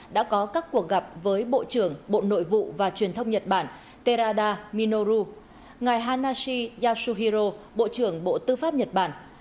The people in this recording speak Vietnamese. đã có các cuộc gặp với bộ trưởng bộ nội vụ và truyền thông nhật bản terada minoru ngài hanashi yasuhiro bộ trưởng bộ tư pháp nhật bản